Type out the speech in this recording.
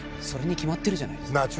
それに決まってるじゃないですか。